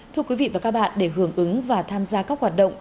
thưa quý vị và các bạn để hưởng ứng và tham gia các hoạt động